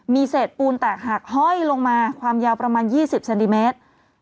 มีเศษปูนแตกหักห้อยลงมาความยาวประมาณ๒๐เซนติเมตร